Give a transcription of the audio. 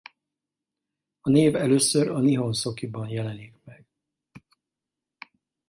A név először a Nihonsokiban jelenik meg.